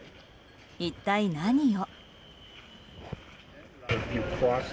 一体何を？